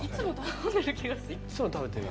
いつも食べてる。